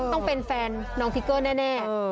ต้องเป็นแฟนน้องทิเกอร์แน่